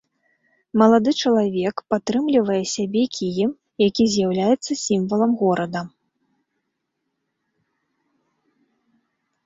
Малады чалавек падтрымлівае сябе кіем, які з'яўляецца сімвалам горада.